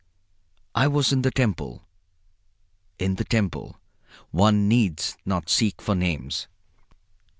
I was in the Temple. In the Temple, one needs not seek for names.